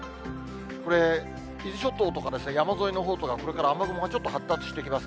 これ、伊豆諸島とか、山沿いのほうとか、これから雨雲がちょっと発達してきます。